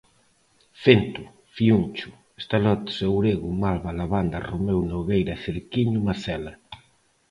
Fento, fiúncho, estalotes, ourego, malva, lavanda, romeu, nogueira, cerquiño, macela...